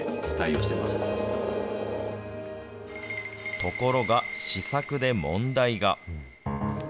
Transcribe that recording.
ところが、試作で問題が。